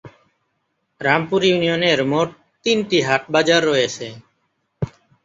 রামপুর ইউনিয়নের মোট তিনটি হাট বাজার রয়েছে।